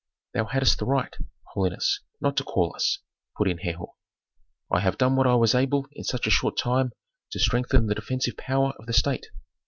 "Thou hadst the right, holiness, not to call us," put in Herhor. "I have done what I was able in such a short time to strengthen the defensive power of the state.